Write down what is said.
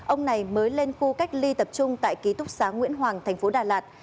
ông này mới lên khu cách ly tập trung tại ký túc xá nguyễn hoàng tp đà lạt